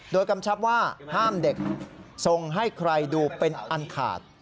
โดยกำชับว่าห้ามเด็กส่งให้ใครดูเป็นอันขาด